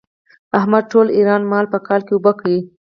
احمد ټول ايران مال په کابل کې اوبه کړ.